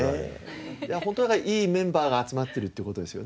本当いいメンバーが集まってるっていう事ですよね。